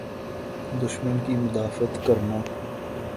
دشمن کی مدافعت کرنا۔